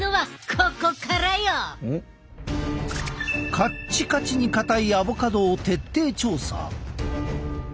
カッチカチに硬いアボカドを徹底調査！